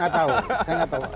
saya nggak tahu